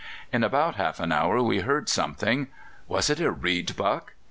In about half an hour we heard something; was it a reed buck?